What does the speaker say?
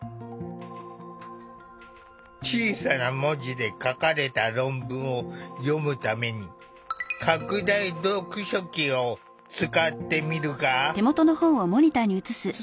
小さな文字で書かれた論文を読むために拡大読書器を使ってみるが。